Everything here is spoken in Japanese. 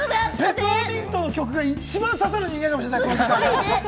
『ペパーミント』の曲が一番刺さるかもしれない。